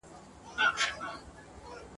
لکه خروښ د شګوفو د پسرلیو ,